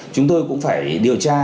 chúng tôi cũng phải điều tra